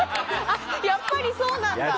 やっぱりそうなんだ！